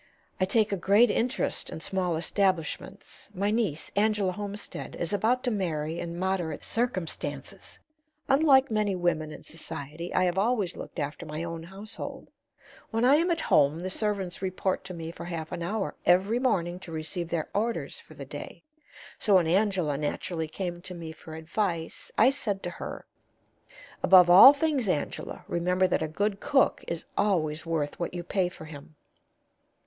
"I take a great interest in small establishments; my niece, Angela Homestead, is about to marry in moderate circumstances. Unlike many women in society, I have always looked after my own household. When I am at home the servants report to me for half an hour every morning to receive their orders for the day. So when Angela naturally came to me for advice, I said to her: 'Above all things, Angela, remember that a good cook is always worth what you pay for him.'